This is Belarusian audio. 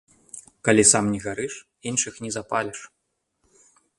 Калі сам не гарыш, іншых не запаліш.